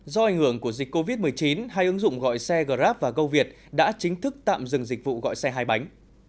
do ảnh hưởng của dịch covid một mươi chín hai ứng dụng gọi xe grab và goviet đã chính thức tạm dừng dịch vụ gọi xe hai bánh